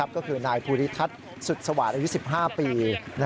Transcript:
ก็คือนายภูริทัศน์สุดสวาสตร์อายุ๑๕ปี